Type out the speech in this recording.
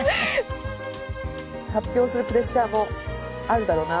発表するプレッシャーもあるだろうな。